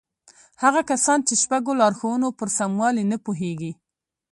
هغه کسان چې د شپږو لارښوونو پر سموالي نه پوهېږي.